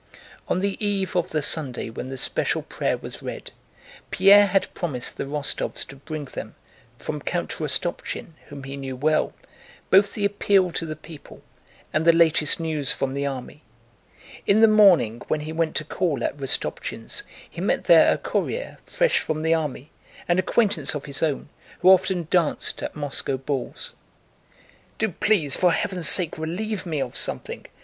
On the eve of the Sunday when the special prayer was read, Pierre had promised the Rostóvs to bring them, from Count Rostopchín whom he knew well, both the appeal to the people and the news from the army. In the morning, when he went to call at Rostopchín's he met there a courier fresh from the army, an acquaintance of his own, who often danced at Moscow balls. "Do, please, for heaven's sake, relieve me of something!"